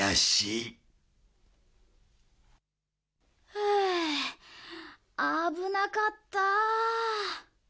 ハァあぶなかった。